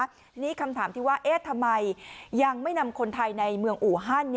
ทีนี้คำถามที่ว่าเอ๊ะทำไมยังไม่นำคนไทยในเมืองอูฮัน